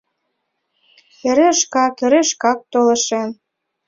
Эре шкак, эре шкак толашем.